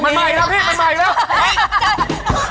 มันใหม่แล้วพี่มันใหม่แล้ว